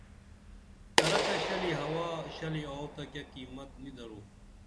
ترہ تہ شلی ہوا شلی آوو تہ کیہ قیمت نی درو